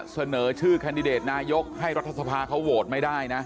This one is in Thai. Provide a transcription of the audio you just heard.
เสนอชื่อแคนดิเดตนายกให้รัฐสภาเขาโหวตไม่ได้นะ